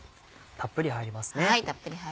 たっぷり入ります。